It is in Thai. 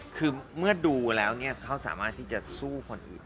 คือเมื่อดูแล้วเนี่ยเขาสามารถที่จะสู้คนอีกด้าน